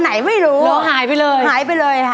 หายไม่รู้หายไปเลยหายไปเลย